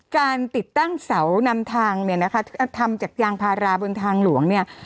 การติดตั้งเสานำทางเนี่ยนะคะทำจากยางพาราบนทางหลวงเนี่ย